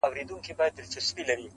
چي د ښار خلک به ستړي په دعا کړم،